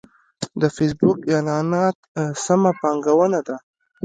د فېسبوک اعلانات سمه پانګونه ده.